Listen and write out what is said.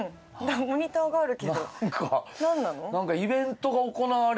モニターがあるけどなんなの？